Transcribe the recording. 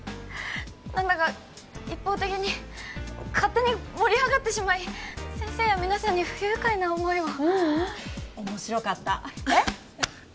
何だか一方的に勝手に盛り上がってしまい先生や皆さんに不愉快な思いをううん面白かったえっ？